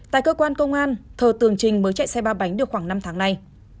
tại cơ quan công an thờ tường trình mới chạy xe ba bánh được khoảng năm tháng nay